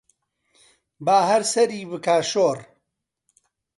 با هەر سەری بکا شۆڕ